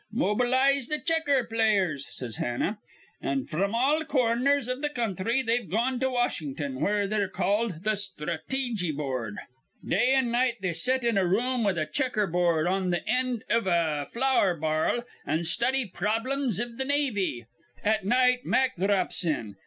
'Mobilize th' checker players,' says Hanna. An' fr'm all cor rners iv th' counthry they've gone to Washin'ton, where they're called th' Sthrateejy Board. "Day an' night they set in a room with a checker board on th' end iv a flour bar'l, an' study problems iv th' navy. At night Mack dhrops in.